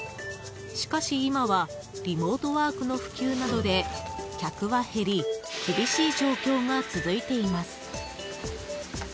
しかし今はリモートワークの普及などで客は減り厳しい状況が続いています。